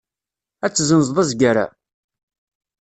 Ad tezzenzeḍ azger-a?